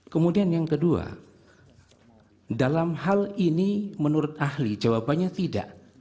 kemudian yang kedua dalam hal ini menurut ahli jawabannya tidak